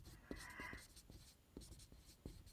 Existen dos categorías, según el peso de la barra.